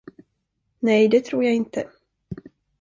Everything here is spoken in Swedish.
Nej, det tror jag inte.